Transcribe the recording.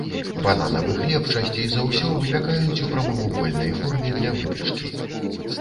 Бананавы хлеб часцей за ўсё выпякаюць у прамавугольнай форме для выпечкі.